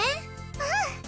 うん！